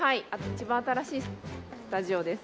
一番新しいスタジオです。